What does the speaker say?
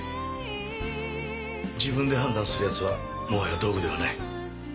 自分で判断する奴はもはや道具ではない。